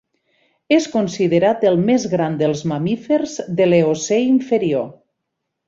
És considerat el més gran dels mamífers de l'Eocè inferior.